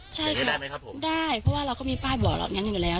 ใช่ครับได้เพราะว่าเราก็มีป้ายบ่อนอยู่แล้ว